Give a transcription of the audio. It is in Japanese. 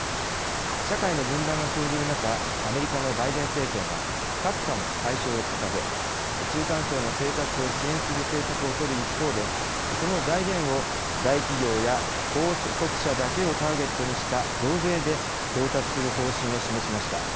社会の分断が生じる中アメリカのバイデン政権は格差の解消を掲げ中間層の生活を支援する政策を取る一方でその財源を大企業や高所得者だけをターゲットにした増税で調達する方針を示しました。